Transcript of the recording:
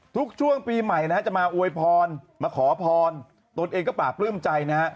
ทุกช่วงปีใหม่นะฮะจะมาอวยพรมาขอพรตนเองก็ปราบปลื้มใจนะฮะ